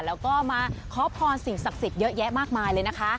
แล้วก็มาขอพรสิ่งศักดิ์สิทธิ์เยอะแยะมากมายเลยนะคะ